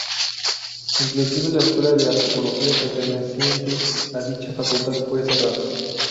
Inclusive la escuela de Antropología perteneciente a dicha facultad fue cerrada.